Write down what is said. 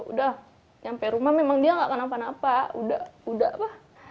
udah nyampe rumah memang dia gak kenapa apa